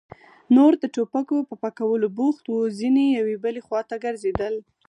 نور د ټوپکو په پاکولو بوخت وو، ځينې يوې بلې خواته ګرځېدل.